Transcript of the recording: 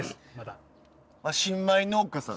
新米農家さん？